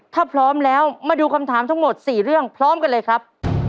ถ้าพร้อมแล้วมาดูคำถามทั้งหมด๔เรื่องพร้อมกันเลยครับ